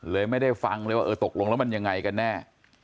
ไม่ได้ฟังเลยว่าเออตกลงแล้วมันยังไงกันแน่